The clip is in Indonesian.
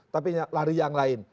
tapi lari yang lain